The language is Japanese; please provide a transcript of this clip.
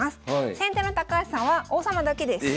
先手の高橋さんは王様だけです。